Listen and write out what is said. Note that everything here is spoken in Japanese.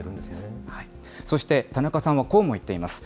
そして田中さんはこうも言っています。